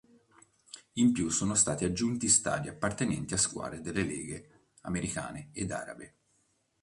In più sono stati aggiunti stadi appartenenti a squadre delle leghe americane ed arabe.